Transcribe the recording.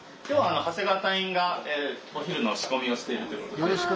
今日は長谷川隊員がお昼の仕込みをしているということで。